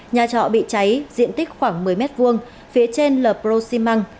nhà trọ bị cháy diện tích khoảng một mươi m hai phía trên là prosimang